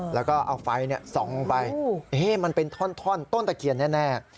แล้วก็เอาไฟส่องลงไปมันเป็นท่อนต้นตะเคียนแน่